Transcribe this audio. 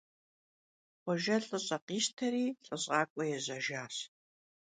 Xhuejje lh'ış'e khişteri lh'ış'ak'ue yêjejjaş.